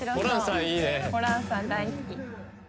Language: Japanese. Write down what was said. ホランさん大好き。